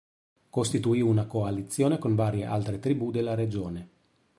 Costituì una coalizione con varie altre tribù della regione.